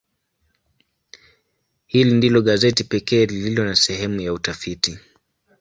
Hili ndilo gazeti pekee lililo na sehemu ya utafiti.